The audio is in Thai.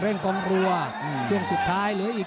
หรือว่าผู้สุดท้ายมีสิงคลอยวิทยาหมูสะพานใหม่